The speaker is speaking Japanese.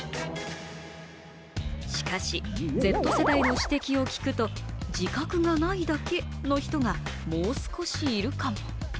しかしＺ世代の指摘を聞くと自覚がないだけの人がもう少しいるかも。